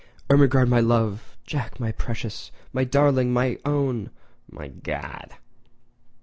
"Ermengarde, me love!" "Jack—my precious!" "My darling!" "My own!" "My Gawd!"